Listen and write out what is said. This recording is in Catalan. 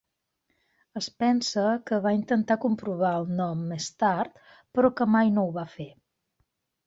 Es pensa que va intentar comprovar el nom més tard, però que mai no ho va fer.